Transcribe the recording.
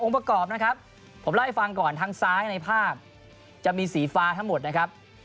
ประกอบนะครับผมเล่าให้ฟังก่อนทางซ้ายในภาพจะมีสีฟ้าทั้งหมดนะครับ